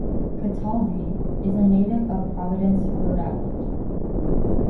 Cataldi is a native of Providence, Rhode Island.